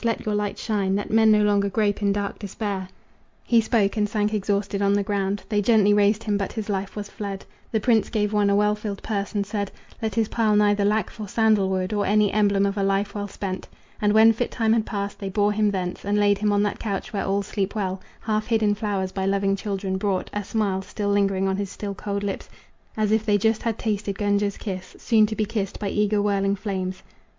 let your light shine, That men no longer grope in dark despair!" He spoke, and sank exhausted on the ground. They gently raised him, but his life was fled. The prince gave one a well filled purse and said: "Let his pile neither lack for sandal wood Or any emblem of a life well spent." And when fit time had passed they bore him thence And laid him on that couch where all sleep well, Half hid in flowers by loving children brought, A smile still lingering on his still, cold lips, As if they just had tasted Gunga's kiss, Soon to be kissed by eager whirling flames.